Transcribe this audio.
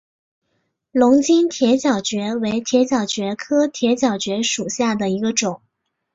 龙津铁角蕨为铁角蕨科铁角蕨属下的一个种。